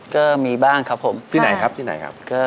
ก็มีบ้างครับผมที่ไหนครับ